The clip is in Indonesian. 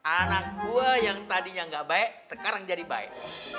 anak gua yang tadinya gak baik sekarang jadi baik